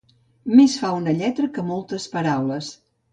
Més fa una lletra que moltes paraules.